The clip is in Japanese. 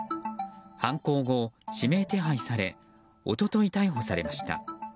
犯行後、指名手配され一昨日逮捕されました。